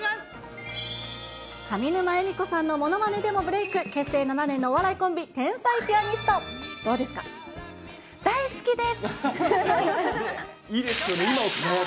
上沼恵美子さんのものまねでもブレーク、結成７年目のお笑いコンビ、天才ピアニスト、どうで大好きです。